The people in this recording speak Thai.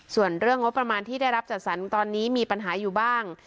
ส่วนเรื่องงบประมาณที่ได้รับจัดสรรตอนนี้มีปัญหาอยู่บ้าง